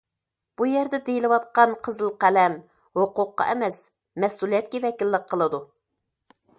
بۇ يەردە دېيىلىۋاتقان‹‹ قىزىل قەلەم›› ھوقۇققا ئەمەس، مەسئۇلىيەتكە ۋەكىللىك قىلىدۇ.